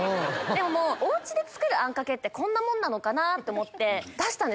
でもお家で作るあんかけってこんなものかなと思って出した。